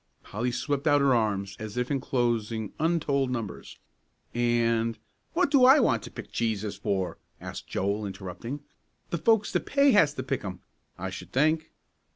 Polly swept out her arms as if enclosing untold numbers. "And " "What do I want to pick cheeses for?" asked Joel, interrupting. "The folks that pay has to pick 'em, I sh'd think."